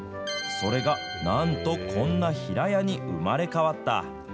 それがなんとこんな平屋に生まれ変わった。